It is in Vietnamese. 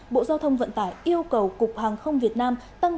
bộ giao thông vận tải yêu cầu cục hàng không việt nam tăng